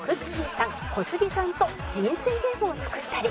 さん小杉さんと人生ゲームを作ったり